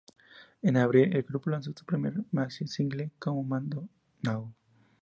En abril, el grupo lanzó su primer maxi-single, "Command No.